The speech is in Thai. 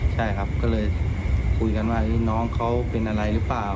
ใช่ครับก็เลยคุยกันว่าน้องเขาเป็นอะไรหรือเปล่า